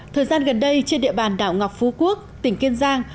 thời gian gần đây trên địa bàn đảo ngọc phú quốc tỉnh kiên giang